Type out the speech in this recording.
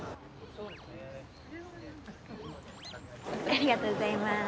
ありがとうございます。